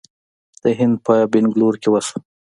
د هند په بنګلور کې وشوه